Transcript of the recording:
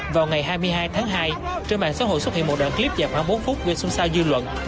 vào ngày hai mươi hai tháng hai trên mạng xã hội xuất hiện một đoạn clip dài khoảng bốn phút về xung sao dư luận